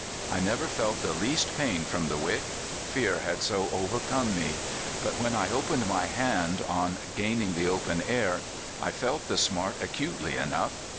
I never felt the least pain from the wick, fear had so overcome me; but when I opened my hand on gaining the open air, I felt the smart acutely enough.